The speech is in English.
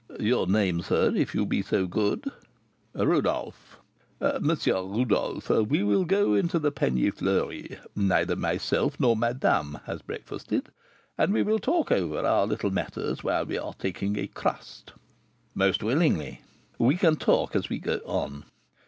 "Your name, sir, if you be so good?" "Rodolph." "M. Rodolph, we will go into the Panier Fleuri, neither myself nor madame has breakfasted, and we will talk over our little matters whilst we are taking a crust." "Most willingly." "We can talk as we go on.